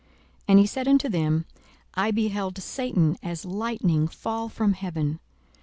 42:010:018 And he said unto them, I beheld Satan as lightning fall from heaven.